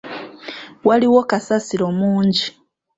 Waliwo kasasiro mungi.